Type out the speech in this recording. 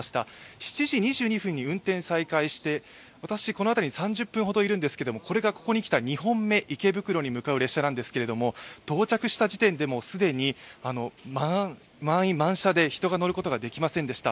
７時２２分に運転再開して、私、この辺りに３０分ほどいるんですけど、これがここに来て２本目池袋に向かう電車ですけれども、到着した時点で既に満員満車で人が乗ることができませんでした。